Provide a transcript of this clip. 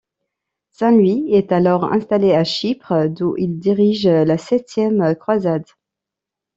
Saint-Louis est alors installé à Chypre, d'où il dirige la septième croisade.